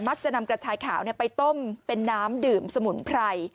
จะนำกระชายขาวไปต้มเป็นน้ำดื่มสมุนไพร